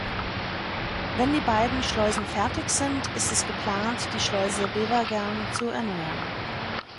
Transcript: Wenn die beiden Schleusen fertig sind, ist es geplant die Schleuse Bevergern zu erneuern.